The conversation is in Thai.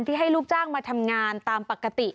ให้ลูกจ้างมาทำงานตามปกติ